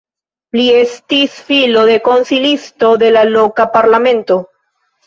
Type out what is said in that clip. Li estis filo de konsilisto de la loka parlamento.